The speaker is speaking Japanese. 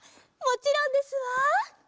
もちろんですわ。